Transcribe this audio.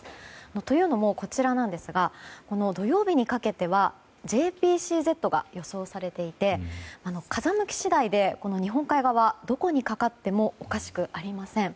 というのも、こちらですが土曜日にかけてはＪＰＣＺが予想されていて風向き次第で日本海側、どこにかかってもおかしくありません。